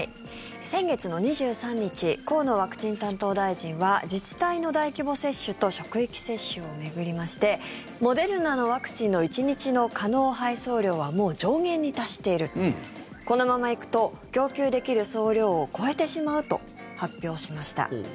先月の２３日河野ワクチン担当大臣は自治体の大規模接種と職域接種を巡りましてモデルナのワクチンの１日の可能配送量はもう上限に達しているこのままいくと供給できる総量を超えてしまうと発表しました。